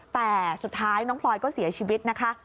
แต่สุดท้ายน้องพลอยก็เสียชีวิตนะคะ